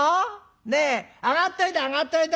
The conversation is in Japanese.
ねえ上がっといで上がっといで。